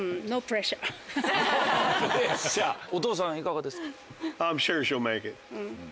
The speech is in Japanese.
お父さんいかがですか？